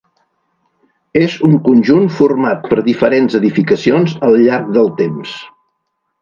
És un conjunt format per diferents edificacions al llarg del temps.